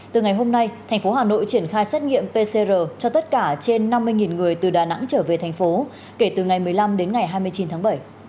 từ ngày hôm nay thành phố hà nội triển khai xét nghiệm pcr cho tất cả trên năm mươi người từ đà nẵng trở về thành phố kể từ ngày một mươi năm đến ngày hai mươi chín tháng bảy